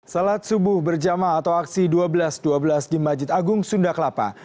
salat subuh berjama atau aksi dua belas dua belas di majid agung sunda kelapa